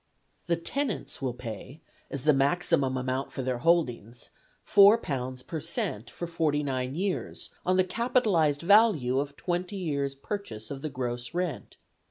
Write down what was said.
The tenants will pay, as the maximum amount for their holdings, £4 per cent. for forty nine years on the capitalized value of twenty years' purchase of the gross rent.